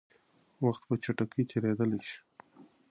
وخت په چټکۍ تېرېدلی شي.